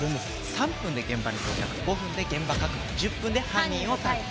３分で現場に到着５分で現場確認１０分で犯人を逮捕。